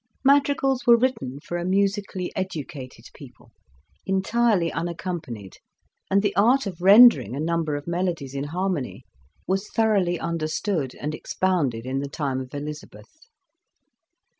Madrigals were written for a musically edu cated people, entirely unaccompanied, and the art of rendering a number of melodies in harmony was thoroughly understood and ex Introduction. pounded in the time of Elizabeth.